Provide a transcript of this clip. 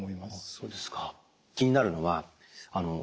そうですか。